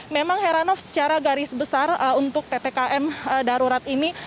memang heranov secara garis besar untuk ppkm darurat ini